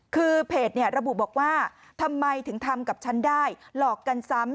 คือเพจระบุบอกว่าทำไมถึงทำกับฉันได้หลอกกันซ้ำ